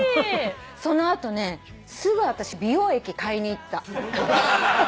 その後ねすぐ私美容液買いに行った。